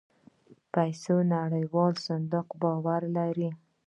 پيسو نړيوال صندوق باور لري.